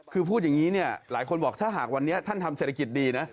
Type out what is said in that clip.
คือพูดอย่างนี้เนี่ยหลายคนบอกถ้าหากวันนี้ท่านทำเศรษฐกิจดีนะ